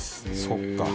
そっか。